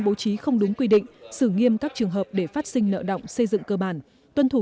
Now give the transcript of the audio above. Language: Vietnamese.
bố trí không đúng quy định xử nghiêm các trường hợp để phát sinh nợ động xây dựng cơ bản tuân thủ